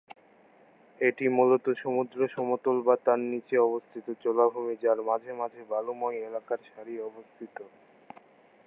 এটি মূলত সমুদ্র সমতল বা তার নিচে অবস্থিত জলাভূমি যার মাঝে মাঝে বালুময় এলাকার সারি অবস্থিত।